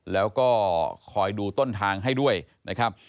แล้วก็คอยดูต้นทางให้ด้วยนะครับ